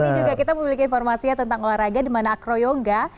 ini juga kita memiliki informasinya tentang olahraga di mana acroyoga